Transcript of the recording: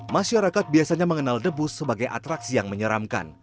masyarakat biasanya mengenal debu sebagai atraksi yang menyeramkan